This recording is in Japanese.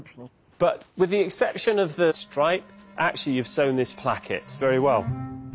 はい。